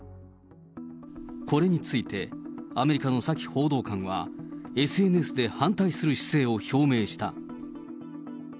これについて、アメリカのサキ報道官は、ＳＮＳで反対する姿勢を表明した。